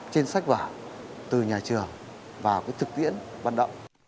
trên sách vả từ nhà trường và cái thực tiễn vận động